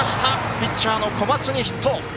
ピッチャーの小松にヒット！